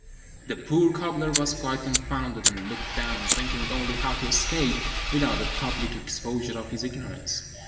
The poor cobbler was quite confounded, and looked down, thinking only how to escape without a public exposure of his ignorance.